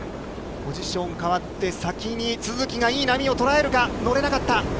ポジションかわって、先に都筑がいい波をとらえるか、乗れなかった。